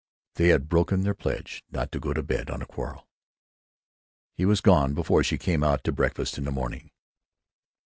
They had broken their pledge not to go to bed on a quarrel. He was gone before she came out to breakfast in the morning.